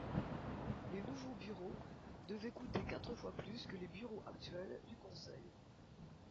Les nouveaux bureaux devaient coûter quatre fois plus que les bureaux actuels du conseil.